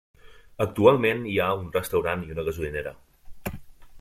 Actualment hi ha un restaurant i una gasolinera.